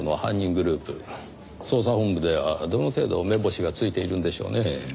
グループ捜査本部ではどの程度目星がついているんでしょうねぇ？